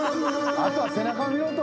あとは背中を見ろと。